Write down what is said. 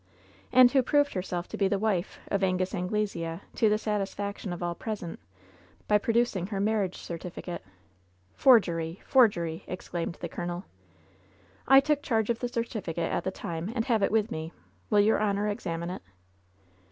"And who proved herself to be the wife of Angus Anglesea, to the satisfaction of all present, by producing her marriage certificate.'' "Forgery! forgery!'' exclaimed the colonel. "I took charge of the certificate at the time and have it with me. Will your honor examine it